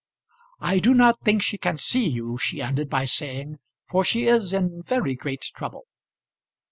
"I do not think she can see you," she ended by saying, "for she is in very great trouble."